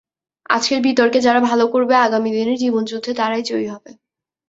আজকের বিতর্কে যারা ভালো করবে, আগামী দিনের জীবনযুদ্ধে তারাই জয়ী হবে।